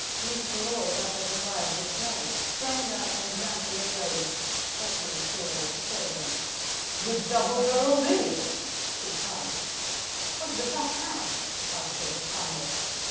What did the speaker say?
Mr. Loyd uttered a cry of dismay, sprang up and ran to the grate, but he was too late to save them. "You double barrelled idiot!" he cried. "What's the fuss now?" asked Joseph calmly.